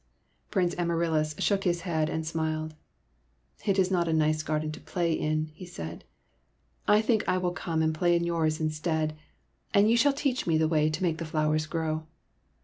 Prince Amaryllis shook his head and smiled. '' It is not a nice garden to play in," he said. '' I think I will come and play in yours instead, SOMEBODY ELSE'S PRINCE 8i and you shall teach me the way to make the flowers grow."